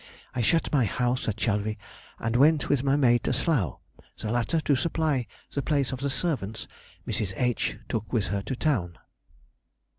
_—I shut my house at Chalvy, and went with my maid to Slough, the latter to supply the place of the servants Mrs. H. took with her to town.